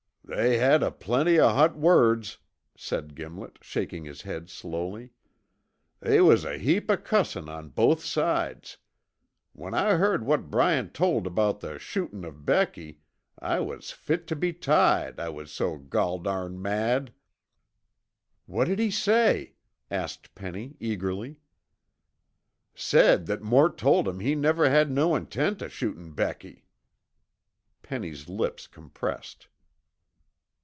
"They had aplenty o' hot words," said Gimlet, shaking his head slowly. "They was a heap o' cussin' on both sides. When I heard what Bryant told about the shootin' of Becky, I was fit tuh be tied, I was so gol darn mad." "What did he say?" asked Penny eagerly. "Said that Mort told him he never had no intent o' shootin' Becky." Penny's lips compressed.